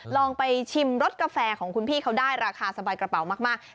ลองไปชิมรสกาแฟของคุณพี่เขาได้ราคาสบายกระเป๋ามาก